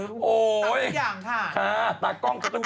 ตามทุกอย่างค่ะค่ะตากล้องก็ต้องอยู่ด้วย